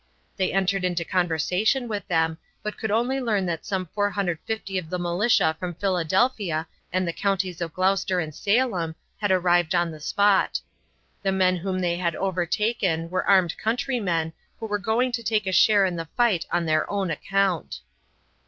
They entered into conversation with them, but could only learn that some 450 of the militia from Philadelphia and the counties of Gloucester and Salem had arrived on the spot. The men whom they had overtaken were armed countrymen who were going to take a share in the fight on their own account.